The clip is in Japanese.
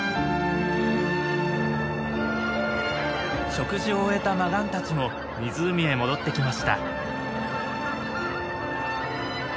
食事を終えたマガンたちも湖へ戻ってきました。